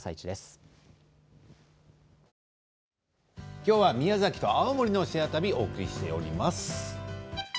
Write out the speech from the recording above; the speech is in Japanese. きょうは宮崎と青森の「シェア旅」をお送りしております。